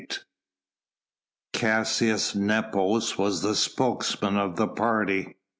Caius Nepos was the spokesman of the party.